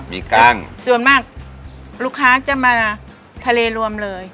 มีกล้างส่วนมากลูกค้าจะมาทะเลรวมเลย